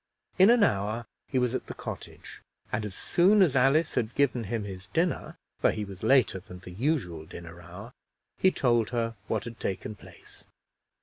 In an hour he was at the cottage; and as soon as Alice had given him his dinner for he was later than the usual dinner hour he told her what had taken place.